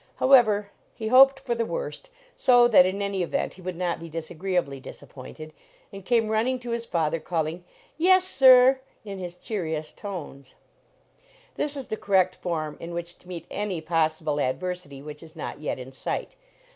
However, he hoped for the worst, so that in any event he would not be disagree ably disappointed, and came running to his father, calling " Yes, sir!" in his cheeriest tones. This is the correct form in which to meet any possible adversity which is not yet in sight.